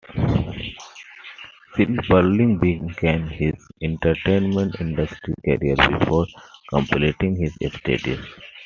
Silberling began his entertainment industry career before completing his studies.